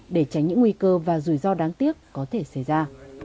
để tránh những nguy cơ và rủi ro đáng tiếc có thể xảy ra